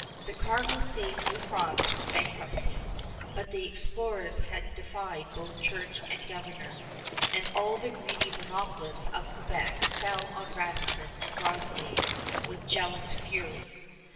The cargo saved New France from bankruptcy; but the explorers had defied both Church and Governor, and all the greedy monopolists of Quebec fell on Radisson and Groseillers with jealous fury.